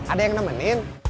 ada yang nemenin